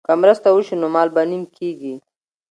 که مرسته وشي نو مال به نیم کیږي.